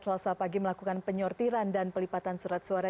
selasa pagi melakukan penyortiran dan pelipatan surat suara